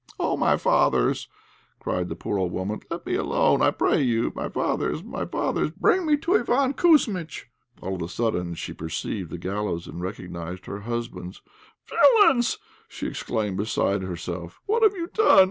"Oh, my fathers!" cried the poor old woman. "Let me alone, I pray you; my fathers, my fathers, bring me to Iván Kouzmitch." All of a sudden she perceived the gallows and recognized her husband. "Villains!" she exclaimed, beside herself; "what have you done?